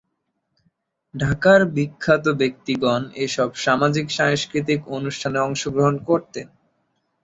ঢাকার বিখ্যাত ব্যক্তিগণ এসব সামাজিক সাংস্কৃতিক অনুষ্ঠানে অংশগ্রহণ করতেন।